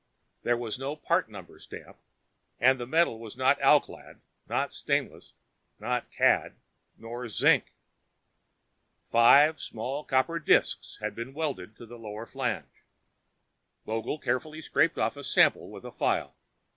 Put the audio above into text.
There was no part number stamp, and the metal was not alclad, not stainless, not cad nor zinc. Five small copper discs had been welded to the lower flange. Vogel carefully scraped off a sample with a file.